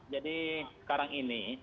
jadi sekarang ini